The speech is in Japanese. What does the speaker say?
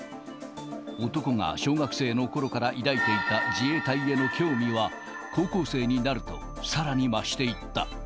男が小学生のころから抱いていた自衛隊への興味は、高校生になると、さらに増していった。